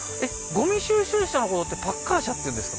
ごみ収集車のことってパッカー車っていうんですか？